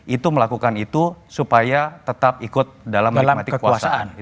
itu melakukan itu supaya tetap ikut dalam menikmati kekuasaan